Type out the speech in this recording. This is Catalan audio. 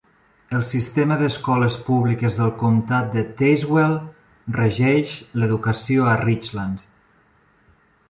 El Sistema d'Escoles Públiques del Comtat de Tazewell regeix l'educació a Richlands.